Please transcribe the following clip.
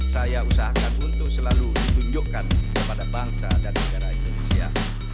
saya usahakan untuk selalu ditunjukkan kepada bangsa dan negara indonesia